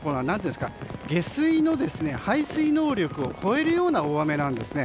下水の排水能力を超えるような大雨なんです。